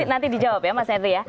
nanti dijawab ya mas henry ya